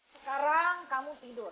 sekarang kamu tidur